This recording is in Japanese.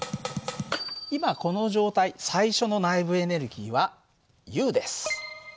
今この状態最初の内部エネルギーはＵです。